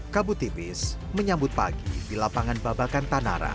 kabutibis menyambut pagi di lapangan babakan tanara